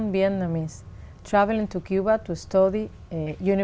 vì vậy nó rất quan trọng